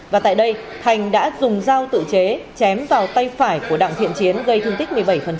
và tại đây thành đã dùng dao tự chế chém vào tay phải của đặng thiện chiến gây thương tích một mươi bảy